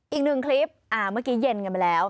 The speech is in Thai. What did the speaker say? อีกหนึ่งคลิปเมื่อกี้เย็นกันไปแล้ว